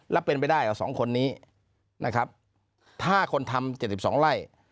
แล้วเป็นไปได้กับสองคนนี้นะครับถ้าคนทำเจ็ดสิบสองไล่